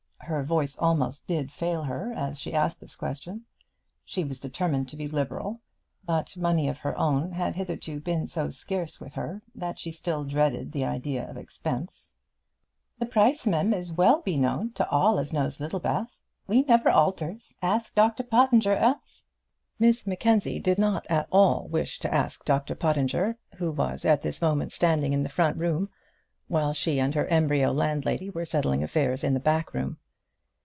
Her voice almost did fail her as she asked this question. She was determined to be liberal; but money of her own had hitherto been so scarce with her that she still dreaded the idea of expense. "The price, mem, is well beknown to all as knows Littlebath. We never alters. Ask Dr Pottinger else." Miss Mackenzie did not at all wish to ask Dr Pottinger, who was at this moment standing in the front room, while she and her embryo landlady were settling affairs in the back room.